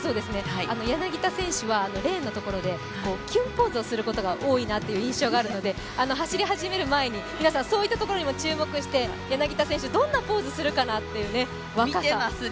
柳田選手はレーンのところでキュンポーズをすることが多い印象があるので、走り始める前に、皆さん、そういったところにも注目して柳田選手がどんなポーズをするか。